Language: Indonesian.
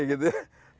ya gitu ya